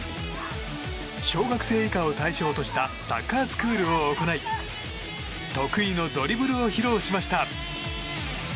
小学生以下を対象としたサッカースクールを行い得意のドリブルを披露しました。